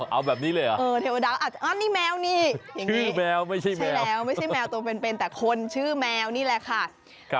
เอาแบบนี้เลยเหรอเออเทวดานี่แมวนี่ชื่อแมวไม่ใช่แมวไม่ใช่แมวตัวเป็นแต่คนชื่อแมวนี่แหละค่ะ